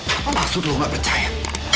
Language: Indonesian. apa maksud lo gak percaya